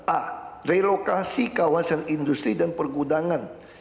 a relokasi kawasan industri dan pergudangan